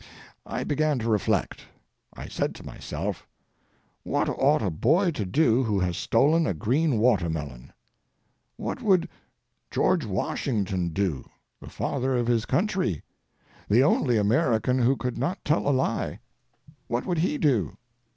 I began to reflect. I said to myself: "What ought a boy to do who has stolen a green watermelon? What would George Washington do, the father of his country, the only American who could not tell a lie? What would he do?